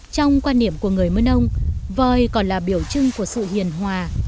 trong quan niệm của người mờ nông voi còn là biểu trưng của sự hiền hòa